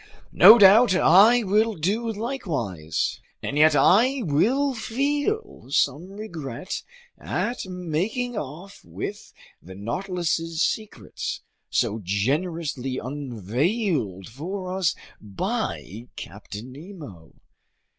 No doubt I will do likewise. And yet I will feel some regret at making off with the Nautilus's secrets, so generously unveiled for us by Captain Nemo!